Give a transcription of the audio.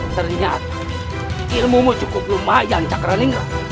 ternyata ilmumu cukup lumayan cakarani